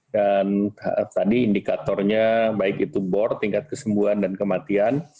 dan tadi indikatornya baik itu bor tingkat kesembuhan dan kematian